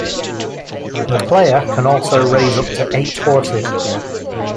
The player can also raise up to eight horses.